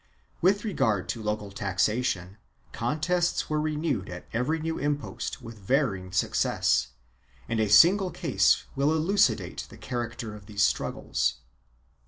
1 With regard to local taxation, contests were renewed at every new impost with varying success, and a single case will elucidate the character of these struggles.